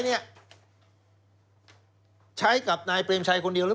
เพราะฉะนั้นคุณมิ้นท์พูดเนี่ยตรงเป้งเลย